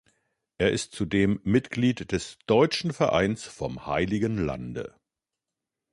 Er ist zudem Mitglied des Deutschen Vereins vom Heiligen Lande.